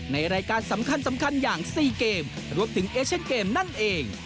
ในรายการสำคัญอย่าง๔เกมรวมถึงเอเชนเกมนั่นเอง